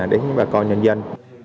đến bà con nhân dân